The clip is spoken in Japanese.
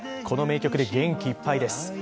この名曲で元気いっぱいです。